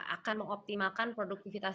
akan mengoptimalkan produktivitas